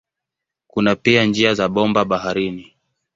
Kuna pia njia za bomba baharini.